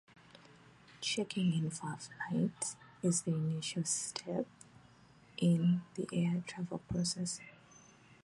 Checking-in for a flight is the initial step in the air travel process.